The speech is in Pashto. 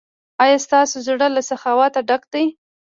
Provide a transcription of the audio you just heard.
ایا ستاسو زړه له سخاوت ډک دی؟